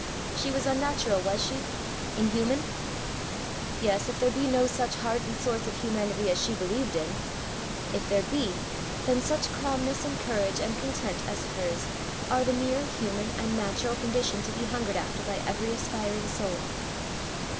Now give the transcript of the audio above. She was unnatural, was she? inhuman? Yes, if there be no such heart and source of humanity as she believed in; if there be, then such calmness and courage and content as hers are the mere human and natural condition to be hungered after by every aspiring soul.